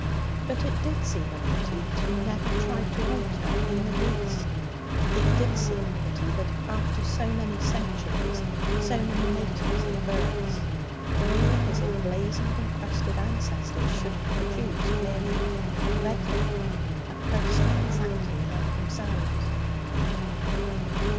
But it did seem a pity that he never tried to alter in the least. It did seem a pity that, after so many centuries, so many matings and births, all his emblazoned and crested ancestors should have produced merely Reddin, a person exactly like themselves.